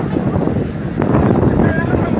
ทางรอแม่ง